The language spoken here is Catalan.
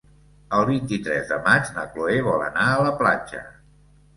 El vint-i-tres de maig na Cloè vol anar a la platja.